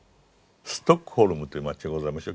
ストックホルムという町がございましょ。